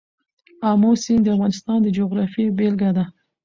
آمو سیند د افغانستان د جغرافیې بېلګه ده.